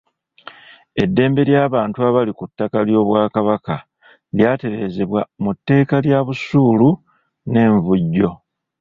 Eddembe ly’abantu abali ku ttaka ly’Obwakabaka lyatereezebwa mu tteeka lya busuulu n’envujjo.